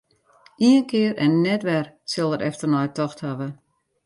Ien kear en net wer sil er efternei tocht hawwe.